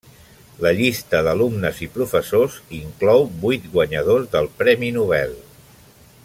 La llista d'alumnes i professors inclou vuit guanyadors del Premi Nobel.